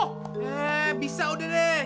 eh bisa udah deh